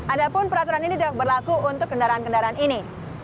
adapun peraturan ini tidak berlaku untuk kendaraan kendaraan ini